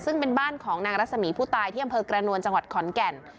ซึ่งเป็นบ้านของนางรัศมีผู้ตายที่อำเภอกระนวลจังหวัดขอนแก่น